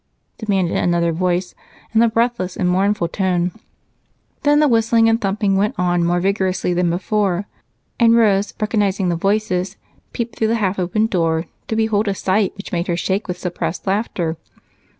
demanded another voice in a breathless and mournful tone. Then the whistling and thumping went on more vigorously than before, and Rose, recognizing the voices, peeped through the half open door to behold a sight which made her shake with suppressed laughter.